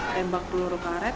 tembak peluru karet